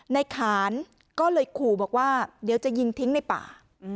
ในขานก็เลยขู่บอกว่าเดี๋ยวจะยิงทิ้งในป่า